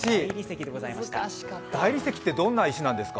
大理石って、どんな石なんですか？